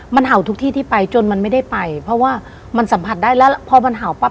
มันเห่าทุกที่ที่ไปจนมันไม่ได้ไปเพราะว่ามันสัมผัสได้แล้วพอมันเห่าปั๊